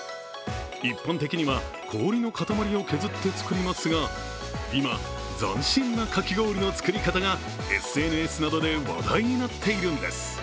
一般的には氷の塊を削って作りますが今、斬新なかき氷の作り方がＳＮＳなどで話題になっているんです。